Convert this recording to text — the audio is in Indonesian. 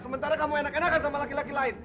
sementara kamu enak enakan sama laki laki lain